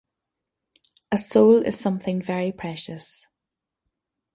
A soul is something very precious.